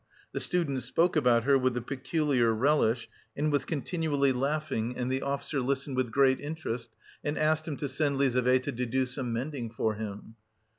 The student spoke about her with a peculiar relish and was continually laughing and the officer listened with great interest and asked him to send Lizaveta to do some mending for him.